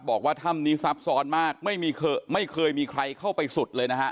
บอกว่าถ้ำนี้ซับซ้อนมากไม่เคยไม่เคยมีใครเข้าไปสุดเลยนะฮะ